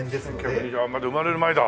まだ生まれる前だ。